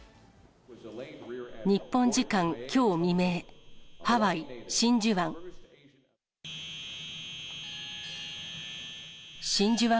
日本時間きょう未明、ハワイ・真珠湾。